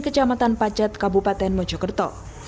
kecamatan pacet kabupaten mojokerto